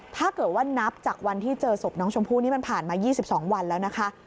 ถ้าเกิดว่านับจากวันที่เจอศพน้องชมพู่นี่มันผ่านมา๒๒วันแล้วนะคะ